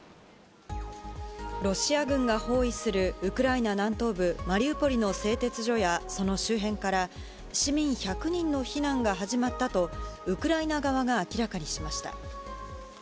ロシア軍が包囲するウクライナ南東部マリウポリの製鉄所やその周辺から、市民１００人の避難が始まったと、ウクライナ側が明らかにしました。